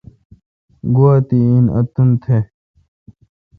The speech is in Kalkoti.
گوا تی انتھ۔